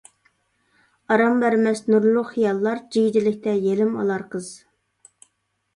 ئارام بەرمەس نۇرلۇق خىياللار، جىگدىلىكتە يىلىم ئالار قىز.